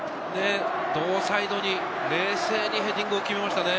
両サイドに冷静にヘディングを決めましたよね。